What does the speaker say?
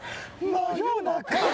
真夜中